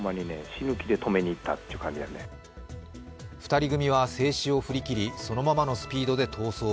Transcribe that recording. ２人組は制止を振り切りそのままのスピードで逃走。